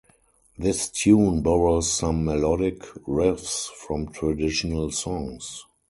This tune borrows some melodic riffs from traditional songs.